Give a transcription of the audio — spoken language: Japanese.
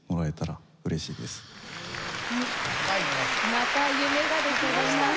また夢ができましたね。